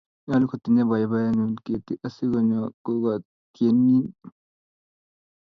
nyolu kotinyei babaenyu keti asikonyoo kakotonienyin.